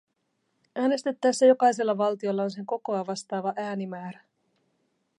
Äänestettäessä jokaisella valtiolla on sen kokoa vastaava äänimäärä.